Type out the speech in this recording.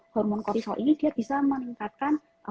hormon korisol ini dia bisa meningkatkan